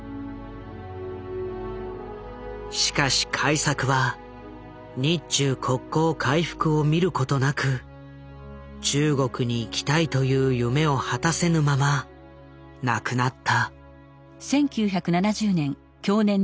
しかし開作は日中国交回復を見ることなく中国に行きたいという夢を果たせぬまま亡くなった。